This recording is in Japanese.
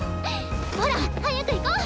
ほら早く行こう！